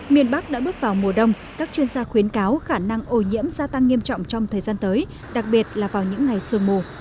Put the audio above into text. miền bắc đã bước vào mùa đông các chuyên gia khuyến cáo khả năng ô nhiễm gia tăng nghiêm trọng trong thời gian tới đặc biệt là vào những ngày sương mù